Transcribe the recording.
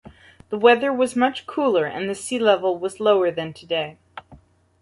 The weather was much cooler and the sea level was lower than today.